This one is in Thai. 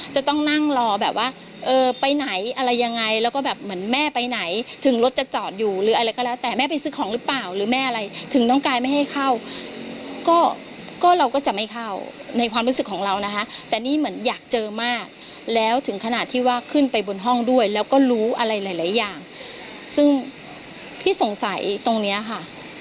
จะต้องนั่งรอแบบว่าเออไปไหนอะไรยังไงแล้วก็แบบเหมือนแม่ไปไหนถึงรถจะจอดอยู่หรืออะไรก็แล้วแต่แม่ไปซื้อของหรือเปล่าหรือแม่อะไรถึงน้องกายไม่ให้เข้าก็เราก็จะไม่เข้าในความรู้สึกของเรานะคะแต่นี่เหมือนอยากเจอมากแล้วถึงขนาดที่ว่าขึ้นไปบนห้องด้วยแล้วก็รู้อะไรหลายอย่างซึ่งพี่สงสัยตรงเนี้ยค่ะ